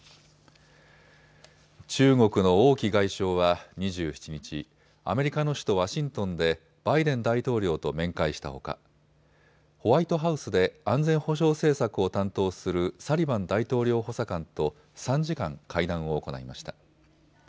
中国の王毅外相は２７日、アメリカの首都ワシントンでバイデン大統領と面会したほかホワイトハウスで安全保障政策を担当するサリバン大統領補佐官と３時間会談を行いました。